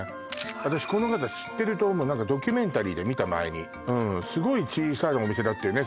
私この方知ってると思う何かドキュメンタリーで見た前にすごい小さいお店だったよね？